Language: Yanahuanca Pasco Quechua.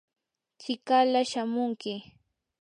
chikala shamunki.